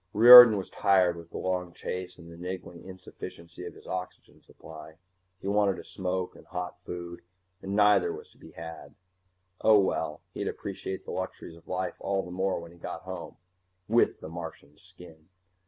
Riordan was tired with the long chase and the niggling insufficiency of his oxygen supply. He wanted a smoke and hot food, and neither was to be had. Oh, well, he'd appreciate the luxuries of life all the more when he got home with the Martian's skin.